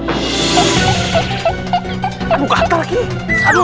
kamu gak salah kan